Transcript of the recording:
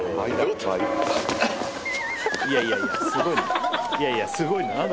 いやいやすごいね。